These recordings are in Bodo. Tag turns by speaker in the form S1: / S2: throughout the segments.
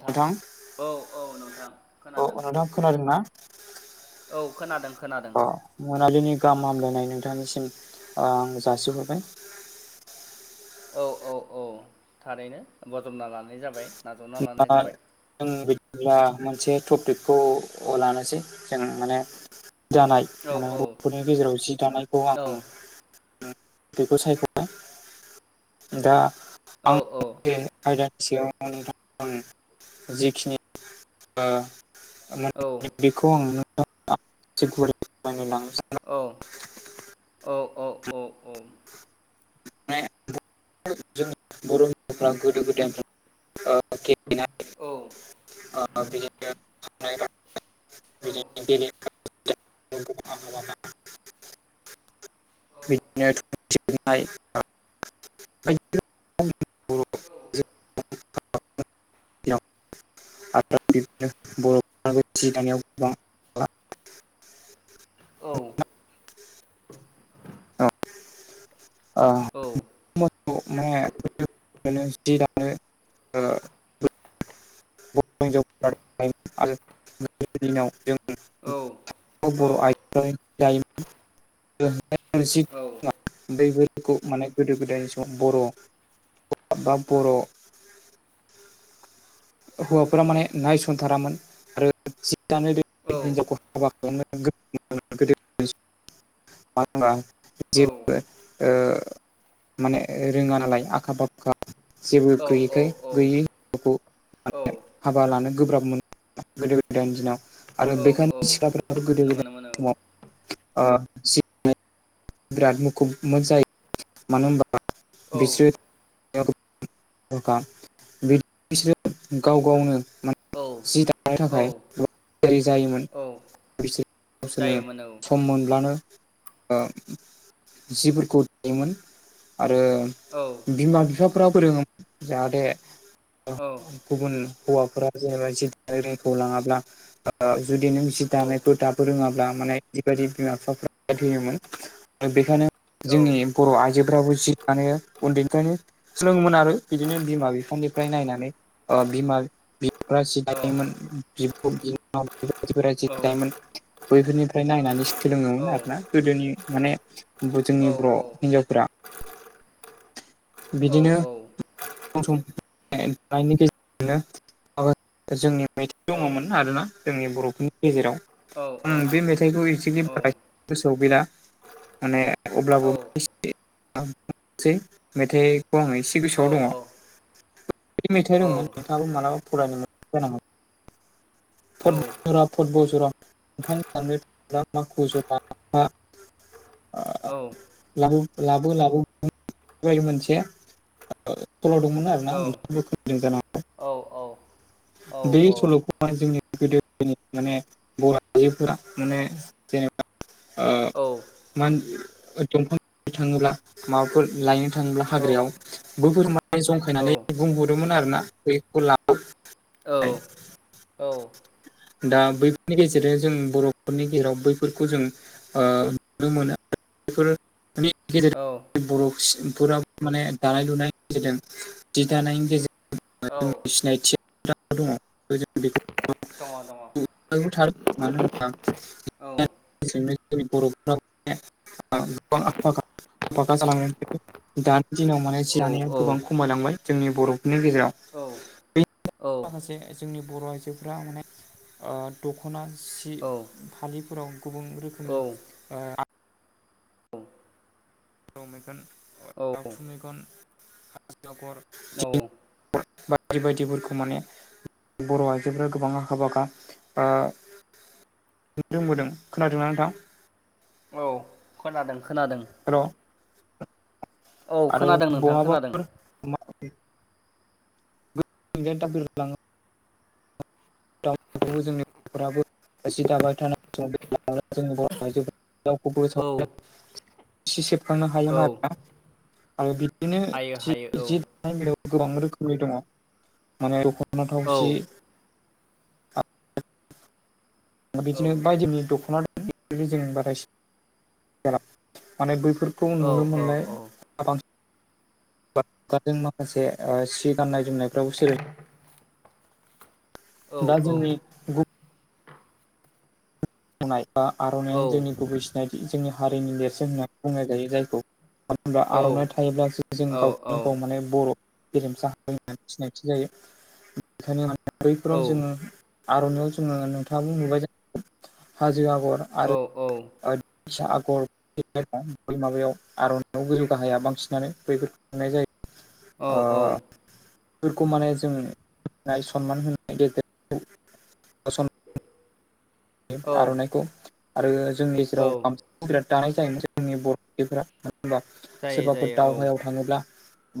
S1: नोंथां औ - औ नोंथां
S2: अ
S1: खोनादों।
S2: नोंथां खोनादोंना
S1: औ खोनादों - खोनादों।
S2: मोनाबिनि गाहाम हामलायनाय नोंथांनिसिम ओ‌ आं जासिहरबाय।
S1: औ - औ - औ थारैनो ब'ज'बना लानाय जाबाय। नाजावना लानाय जाबाय
S2: [unintelligible] जों बिदिब्ला मोनसे टपिकखौ लानोसै जों माने दानाय
S1: औ
S2: माने
S1: औ
S2: बर'फोरनि गेजेराव जि दानायखौ
S1: औ
S2: आं [unintelligible] बेखौ सायख' दा
S1: औ
S2: आं [unintelligible] बे आयदानि सायाव नोंथां ओ जिखिनि ओ
S1: औ
S2: [unintelligible] बेखौ आं [unintelligible] लांनो सा [unintelligible]
S1: औ औ औ। औ
S2: [unintelligible] बर' [unintelligible] गोदो गोदायनिफ्राय [inaudible]
S1: औ।
S2: [inaudible]
S1: औ।
S2: बिदिनो गेले [inaudible] बिदिनो [unintelligible] नाय [inaudible] आरोनो [unintelligible] बर' [unintelligible] सि दानायाव गोबां
S1: औ।
S2: ओ [unintelligible]
S1: औ
S2: माने जि दानो बर' हिनजाव [unintelligible] आरो [unintelligible] दिनाव जोंनि बर' [unintelligible]
S1: औ।
S2: [unintelligible] खौ माने गोदो गोदायनि समाव बर' [unintelligible] बा बर' हौवाफोरा माने नायसनथारामोन। [unintelligible] सि दानो रोंडि हिनजावखौ हा [unintelligible] गोदोनि [unintelligible] जेबो ओ माने रोङा नालाय आखा फाखा जेबो गैयैखाय गैयै [unintelligible] खौ [unintelligible] हाबा लानो गोब्राब मोनो [unintelligible] गोदो गोदाइनि दिनाव। आरो बेखायनो सिख्ला [unintelligible] गोदो गोदायनि
S1: नंगौ नंगौ
S2: समाव
S1: नंगौ
S2: ओ [unintelligible] बिराद मुखुब [unintelligible] जायो मानो होमबा बिसोर
S1: औ
S2: [unintelligible] बिसोरो गाव गावनो मान
S1: औ
S2: जि दानो
S1: औ
S2: थाखाय [unintelligible] जायोमोन।
S1: औ
S2: बिसोर गावसोरनो
S1: जायोमोन औ
S2: सम मोनब्लानो ओ जिफोरखौ दायोमोन। आरो
S1: औ।
S2: बिमा बिफाफ्रा फोरोङोमोन जाहाथे गुबुन हौवाफोरा जेनेबा जिद रायरायखौ लाङाब्ला जुदि नों सि दानायखौ दाबो रोङाब्ला माने बेबायदि बिमा बिफाफ्रा होयोमोन। बेखायनो जोंनि बर' आइजोफ्राबो जि दानो उन्दैनिफ्रायायनो सोलोङोमोन आरो बिदिनो बिमा बिफानि फ्राय नायनानै। बिमा बिफा सि दायोमोन [unintelligible] [unintelligible] फोरा जि दायोमोन बैफोरनिफ्राय नायनानै सोलोङोमोन आरोना। गोदोनि माने बु जोंनि बर' हिन्जावफोरा बिदिनो सम सम [unintelligible] दानायनि गेजेरजोंनो मा [unintelligible] जोंनि मैथ दङमोन। आरोना जोंनि बर'फोरनि गेजेराव। ओं बे फिथाइखौ इजिकलि बाराय सौ बिला माने अब्लाबो [unintelligible] बुंनोसै मेथाइखौ आङो एसे गोसोआव दङ। बे [unintelligible] मेथाइ दंमोन नोंथाङाबो मालाबा फरायनो [unintelligible] जानांगौ। फटबरा फटब'जरा ओंखां [unintelligible] माखु जरा [unintelligible]
S1: औ।
S2: लाबो लाबो [unintelligible] मोनसे खलाव दंमोन आरोना
S1: औ
S2: नोंथां [unintelligible] बो खोनादों जाना [unintelligible]
S1: औ औ।
S2: बे
S1: औ
S2: सल'खौहाय जोंनि [unintelligible] मा दंफां थाङोब्ला माबाफोर लायनो थाङोब्ला
S1: दङ
S2: हाग्रायाव
S1: दङ
S2: बोहोर माने जंखायनानै बुंहरोमोन आरोना बैखौ [unintelligible]
S1: औ।
S2: दा बैफोरनि गेजेरजों जों बर'फोरनि गेजेराव बैफोरखौ जों [unintelligible] माने दानाय लुनायनि गेजेरजों जि दानायनि गेजेरजों जों सिनायथि दा दङ जों बेखौ
S1: दङ दङ।
S2: नोंबो थार मानो होनबा, [unintelligible] दानि दिनाव माने जानाया गोबां
S1: औ औ औ
S2: खमायलांबाय जोंनि बर'फोरनि गेजेराव बे माखासे जोंनि बर' आइजोफोरा माने ओ दख'ना सि फालिफोराव गुबुन [unintelligible]
S1: औ
S2: [unintelligible]
S1: औ
S2: बायदि बायदिफोरखौ माने, बर' आइजोफोरा गोबां आखा फाखा ओ रोंबोदों खोनादोंना नोंथां।
S1: औ खोनादों खोनादों
S2: हेल'
S1: औ
S2: आरो
S1: खोनादों नोंथां खोनादों
S2: बहाबाफोर [inaudible] [unintelligible] [unintelligible] जोंनिफोराबो सि दाबाय थानाय सम जोंनि बर आइजो,
S1: औ औ
S2: [unintelligible] बिदिनो
S1: हायो
S2: जि
S1: हायो
S2: जि दानाय बेलायाव गोबां रोखोमै दङ। आरो दखना
S1: औ
S2: थावसि।
S1: औ
S2: बिदिनो बायदिनि दख'ना जों [unintelligible] माने बैफोर, खौ
S1: औ
S2: नुनो
S1: औ
S2: मोनो [unintelligible] माखासे सिट गान्नाय जोमनायफ्राव सो
S1: औ
S2: दा
S1: औ
S2: जोंनि बुंनाय बा
S1: औ
S2: आर'नाइयानो जोंनि गुबै सिनायथि जोंनि हारिनि नेरसोन होननानै बुंनाय जायो जायखौ, मानो होनब्ला आर'नाइ थायोब्लासो जों गावखौनो गाव माने बर' गेरेमसा हारि होननानै सिनायथि जायो बेखायनो माने बैफोराव जोंङो आर'नाइाव जोंङो नोंथाङाबो नुबाय ज हाजो आगर आरो बायदिसिना आगर [unintelligible] माबायाव आर'नायाव गोजौ गाहाया बांसिनानो बैफोर [unintelligible] जायो
S1: औ
S2: ओ फोरखौ माने जों [unintelligible] गेजेरजों
S1: औ
S2: आर'नाइखौ आरो जोंनि गेजेराव
S1: औ
S2: गामसाखौ बिराद दानाय जायोमोन जोंनि बर'फोरा होनबा
S1: जायो
S2: सोरबाफोर
S1: जायो औ
S2: दावहायाव थाङोब्ला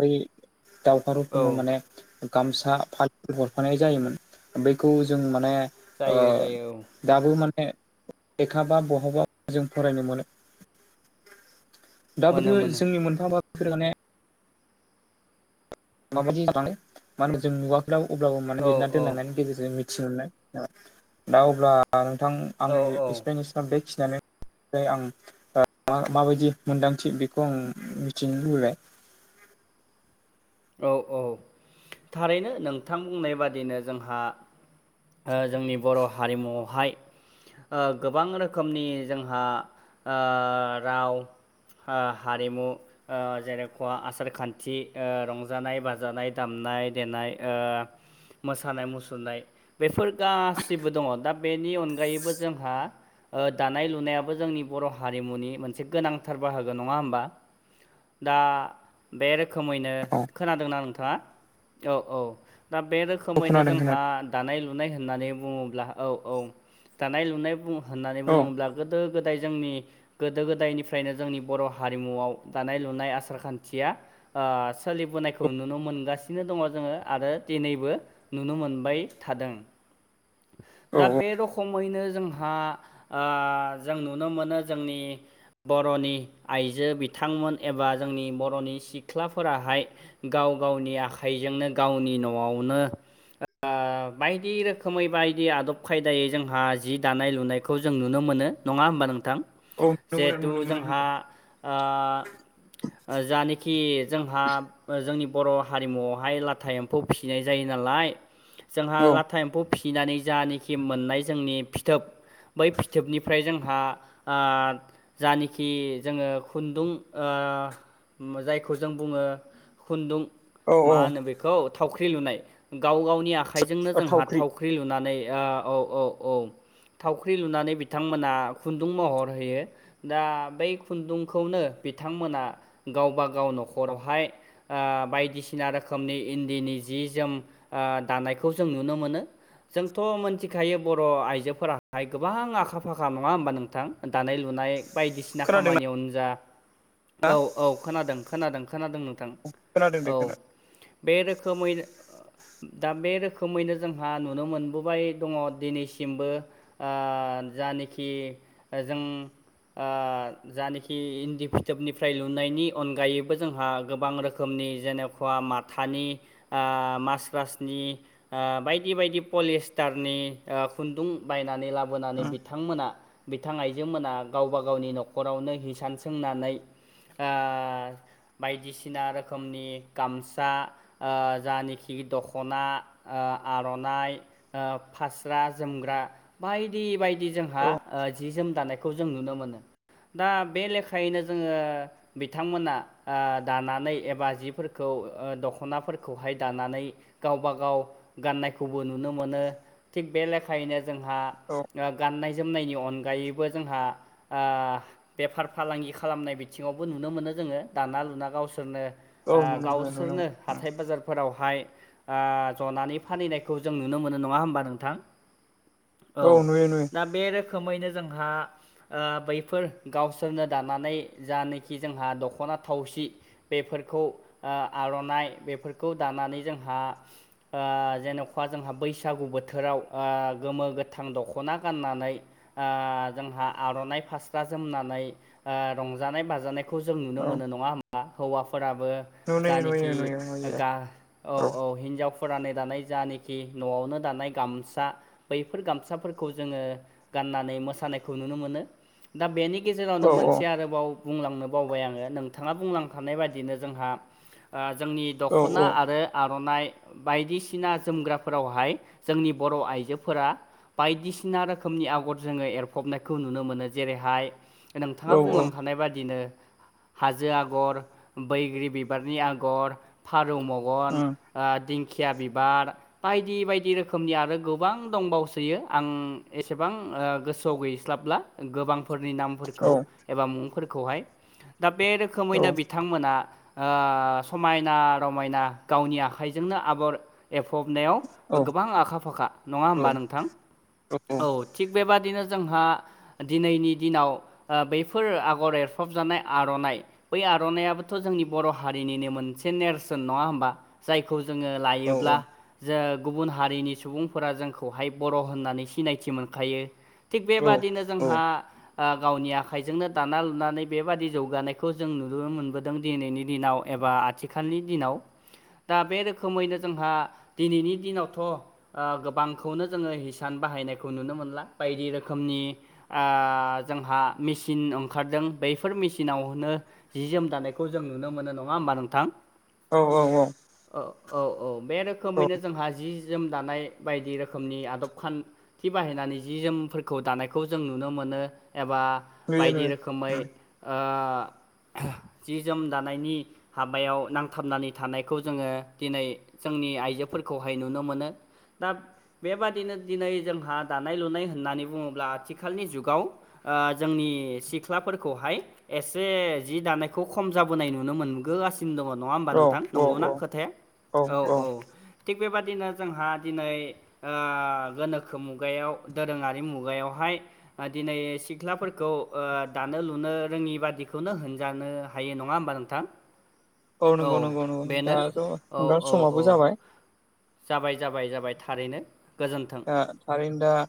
S2: बै दावहारुफोरनो
S1: औ
S2: माने गामसा फा हरफानाय जायोमोन बेखौ जों माने ओ
S1: जायो जायो औ
S2: दाबो माने लेखाबा बहाबा जों फरायनो मोनो। दाबोथ'
S1: मोनो मोनो
S2: जोंनि मोनफा मोनफा [unintelligible] माबायदि जानानै माने जों मुगाफोराव अब्लाबो माने
S1: औ
S2: लिरना
S1: औ
S2: दोनलांनायनि गेजेरजों [unintelligible] दा अब्ला नोंथां
S1: औ औ
S2: आंनि [unintelligible] बेखिनियानो नै आं फ्राय आं माबायदि मोनदांथि बेखौ आं मिथिनो लुबैबाय।
S1: औ औ थारैनो नोंथां बुंनाय बादिनो जोंहा ओ जोंनि बर' हारिमुआवहाय ओ गोबां रोखोमनि जोंहा ओ राव हो हारिमु ओ जेनेखआ आसार खान्थि ओ रं रंजानाय बाजानाय दामनाय देनाय ओ मोसानाय मुसुरनाय बेफोर गासिबो दङ दा बेनि अनगायैबो जोंहा ओ दानाय लुनायाबो जोंनि बर' हारिमुनि मोनसे गोनांथार बाहागो नङा होमबा? दा बे रोखोमैनो
S2: औ
S1: खोनादोंना नोंथाङा औ औ दा बे
S2: औ
S1: रोखोमैनो
S2: खोनादों
S1: जोंहा
S2: खोनादों
S1: दानाय लुनाय होननानै बुङोब्ला औ औ दानाय लुनाय बुं होननानै
S2: औ
S1: बुङोब्ला गोदो गोदाय जोंनि गोदो गोदायनिफ्रायनो जोंनि बर' हारिमुआव दानाय लुनाय आसार खान्थिया ओ सोलि बोनायखौ नुनो मोनगासिनो दङ जोङो आरो दिनैबो नुनो मोनबाय थादों।
S2: [unintelligible] औ
S1: दा
S2: औ
S1: बे रखमैनो जोंहा ओ जों नुनो मोनो जोंनि बर'नि आइजो बिथांमोन एबा जोंनि बर'नि सिख्लाफोराहाय गाव गावनि आखाइजोंनो गावनि न'आवनो
S2: [unintelligible]
S1: बायदि रोखोमै बायदि आदब खायदायै जोंहा जि दानाय लुनायखौ जों नुनो मोनो नङा होमबा नोंथां।
S2: औ नुनो
S1: जिहेथु
S2: मोनो
S1: जोंहा ओ जानोखि जोंहा ओ जोंनि बर' हारिमुआवहाय लाथा एम्फौ फिनाय जायो नालाय
S2: नुनो
S1: जोंहा
S2: मोनो
S1: लाथा एम्फौ फिनानै जानाखि मोननाय जोंनि फिथोब, बै फिथोबनिफ्राय जोंहा ओ जानिखि जोंङो खुन्दुं ओ जायखौ जों बुङो खुन्दुं
S2: औ औ
S1: मा होनो बेखौ थावख्रि लुनाय गाव गावनि आखाइजोंनो
S2: औ
S1: जोंहा
S2: थावख्रि
S1: थाव ख्रि लुनानै ओ औ औ औ थावख्रि लुनानै बिथांमोना खुन्दुं महर होयो। दा बै खुन्दुंखौनो बिथांमोना गावब गाव न'खरावहाय आ बायदिसिना रोखोमनि इन्दिनि जि जोम आ दानायखौ जों नुनो मोनो, जोंथ' मोनथिखायो बर' आइजोफोराहाय गोबां आखा फाखा नङा होमबा नोंथां दानाय लुनाय बायदिसिना
S2: खोनादोंना
S1: खामानियावनो जा औ औ खोनादों खोनादों खोनादों नोंथां।
S2: [unintelligible]
S1: औ बे रोखोमै दा बे रोखोमैनो जोंहा नुनो मोनबोबाय दङ दिनैसिमबो ओ जानोखि जों ओ जानोखि इन्दि फिथोबनिफ्राय लुनायनि अनगायैबो जोंहा गोबां रोखोम रोखोमनि जेने [unintelligible] माथानि ओ मासबासनि ओ बायदि बायदि पलिस्टारनि ओ खुन्दुं बायनानै बोनानै
S2: खोनादों
S1: बिथांमोना बिथां आइजोमोना गावबा गावनि न'खरावनो हिसान सोंनानै ओ बायदिसिना रोखोमनि गामसा ओ जानोखि दख'ना ओ आर'नाइ ओ फास्रा जोमग्रा बायदि बायदि जोंहा
S2: औ
S1: ओ जि जोम दानाय खौ जों नुनो मोनो। दा बे लेखायैनो जोंङो बिथांमोना ओ दानानै एबा जिफोरखौ ओ दख'नाफोरखौहाय दानानै गावबा गाव गाननायखौबो नुनो मोनो थिग बे लेखायैनो जोंहा
S2: औ
S1: ओ गाननाय जोमनायनि अनगायैबो जोंहा आ बेफार फालांगि खालामनाय बिथिङावबो नुनो मोनो जोङो दाना लुना गावसोरनो
S2: औ
S1: ओ
S2: नुनो मोनो नुनो
S1: गावसोरनो
S2: मोनो
S1: हाथाय बाजार फोरावहाय ओ जनानै फानहैनायखौ जों नुनो मोनो नङा होमबा नोंथां। औ
S2: नुयो नुयो
S1: दा बे रोखोमैनो जोंहा ओ बैफोर गावसोरनो दानानै जानखि जोंहा दख'ना थावसि बेफोरखौ ओ आर'नाइ बेफोरखौ दानानै जोंहा आ जेनखा जोंहा बैसागु बोथोराव आ गोमो गोथां दख'ना गाननानै, ओ जोंहा आर'नाइ फास्रा जोमनानै रंजानाय बाजानाय खौ जों नुनो
S2: औ
S1: मोनो नङा होमबा हौवाफोराबो
S2: नुयो नुयो
S1: जानखि
S2: नुयो नुयो
S1: गा औ औ हिनजाव फोरा नै दानाय जानखि न'आवनो दानाय गामसा बैफोर गामसाफोरखौ जोङो गाननानै मोसानायखौ नुनो मोनो दा बेनि गेजेरावनो
S2: औ
S1: मोनसे आरोबाव बुंलांनो बावबाय आङो नोंथाङा बुंलांखानाय बाय दिनो जोंहा जोंनि
S2: औ
S1: दख'ना
S2: औ
S1: आरो आर'नाइ बायदिसिना जोमग्राफोरावहाय जोंनि बर' आइजोफोरा बायदिसिना रोखोमनि आगर जोङो एरफबनायखौ नुनो मोनो जेरैहाय नोंथाङा बुंलां खानाय बादिनो हाजो आगर बैग्रि बिबारनि आगर फारौ मगन ओ दिंखिया बिबार बायदि बायदि रोखोमनि आरो गोबां दंबावसोयो आं एसेबां ओ गोसोआव गैस्लाबला गोबांफोरनि नामफोरखौ एबा मुंफोरखौहाय दा बे
S2: औ
S1: रोखोमैनो बि थांमोना आ समायना रमायना गावनि आखाइजोंनो आगर एफबनायाव
S2: औ
S1: गोबां आखा फाखा नङा
S2: औ
S1: होमबा नोंथां औ थिग बेबादिनो जोंहा दिनैनि दिनाव आ बैफोर आगर एरफबजानाय आर'नाइ बै आ र'नाइयाबोथ' जोंनि बर' हारिनिनो मोनसे नेरसोन नङा होमबा जायखौ जोङो
S2: औ
S1: लायोब्ला जो गुबुन हारिनि सुबुंफोरा जोंखौहाय बर' होननानै सिनायथि मोनखायो थिग
S2: औ
S1: बेबादिनो जोंहा आ गावनि आखाइजोंनो दाना लुनानै बेबादि जौगानायखौ जों नु नुनो मोनबोदों दिनैनि दिनाव एबा आथिखालनि दिनाव दा बे रोखोमैनो जोंहा दिनैनि दिनावथ' ओ गोबांखौनो जोङो हिसान बाहायनायखौ नुनो मोनला बायदि रोखोमनि ओ जोंहा मेचिन ओंखारदों बैफोर मेचिनावनो जि जोम दानायखौ जों नुनो मोनो नङा होमबा नोंथां?
S2: औ औ औ
S1: औ औ औ बे
S2: औ
S1: रोखोमैनो जोंहा जि जोम दानाय बायदि रोखोमनि आदब खान थि बाहायनानै जि जोमफोरखौ दानायखौ जों नुनो मोनो एबा
S2: नुयो
S1: बायदि
S2: नुयो
S1: रोखोमै ओ जि जोम दानायनि हाबायाव नांथाबनानै थानायखौ जोङो दिनै जोंनि आइजोफोरखौहाय नुनो मोनो दा बेबादिनो दिनै जोंहा दानाय लुनाय होननानै बुङोब्ला आथिखालनि जुगाव ओ जोंनि सिख्लाफोरखौहाय एसे जि दानायखौ खम जाबोनाय नुनो मोनगो गासि सिन दङ नङा होमबा
S2: औ
S1: नोंथां
S2: औ
S1: नंगौना खोथाया औ औ थिग बेबादिनो जोंहा दिनै ओ गोनोखो मुगायाव दोरोङारि मुगायावहाय आ दिनै सिख्लाफोरखौ आ दानो लुनो रोङि बादिखौनो होन जानो हायो नंङा होमबा नोंथां? औ
S2: नंगौ नंगौ नंगौ
S1: बेनो
S2: दाथ'
S1: औ
S2: नोंथां
S1: औ
S2: समाबो
S1: औ
S2: जाबाय
S1: जाबाय जाबाय जाबाय थारैनो गोजोन्थों
S2: ओ थारैनो दा